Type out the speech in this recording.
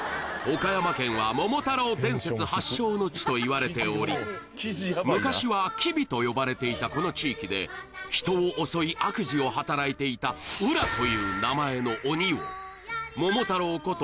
岡山県はといわれており昔は吉備と呼ばれていたこの地域で人を襲い悪事を働いていたという名前の鬼を桃太郎こと